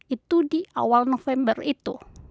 itu di awal november itu